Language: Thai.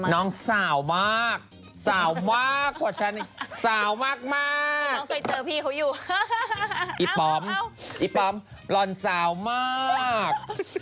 น้องสาวมากสาวมากกว่าฉันอีกสาวมากน้องเคยเจอพี่เขาอยู่อีปอมอีปอมหล่อนสาวมาก